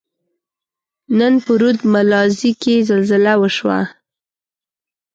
نن په رود ملازۍ کښي زلزله وشوه.